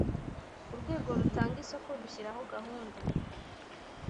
Urwego rutanga isoko rushyiraho gahunda